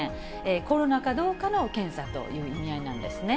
コロナかどうかの検査という意味合いなんですね。